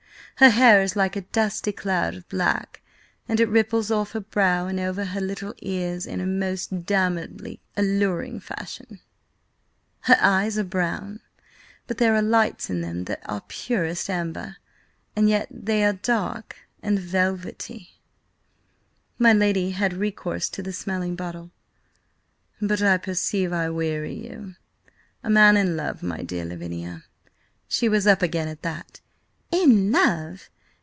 Her hair is like a dusky cloud of black, and it ripples off her brow and over her little ears in a most damnably alluring fashion. Her eyes are brown, but there are lights in them that are purest amber, and yet they are dark and velvety—" My lady had recourse to the smelling bottle. "But I perceive I weary you. A man in love, my dear Lavinia—" She was up again at that. "In love?